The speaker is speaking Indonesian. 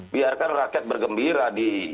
biarkan rakyat bergembira di